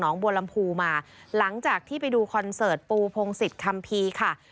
บัวลำพูมาหลังจากที่ไปดูคอนเสิร์ตปูพงศิษย์คัมภีร์ค่ะ